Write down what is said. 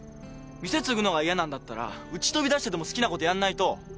店継ぐのが嫌なんだったらウチ飛び出してでも好きなことやんないと。